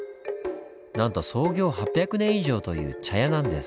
なんと創業８００年以上という茶屋なんです。